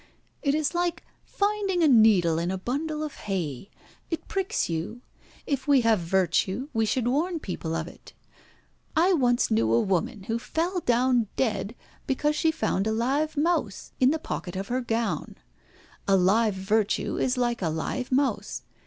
"It is like finding a needle in a bundle of hay. It pricks you. If we have virtue we should warn people of it. I once knew a woman who fell down dead because she found a live mouse in the pocket of her gown. A live virtue is like a live mouse.